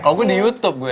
kalau gue di youtube gue